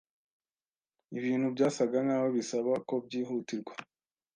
Ibintu byasaga nkaho bisaba ko byihutirwa.